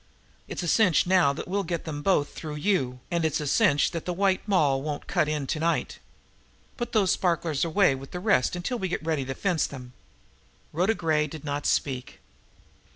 "It's a cinch now that we'll get them both through you, and it s a cinch that the White Moll won't cut in to night. Put those sparklers away with the rest until we get ready to 'fence' them." Rhoda Gray did not speak.